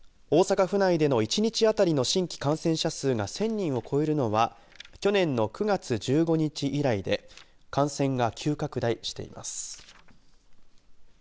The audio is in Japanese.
大阪府内での１日当たりの新規感染者数が１０００人を超えるのは去年の９月１５日以来で感染が急拡大しています。